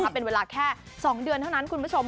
เป็นเวลาแค่๒เดือนเท่านั้นคุณผู้ชม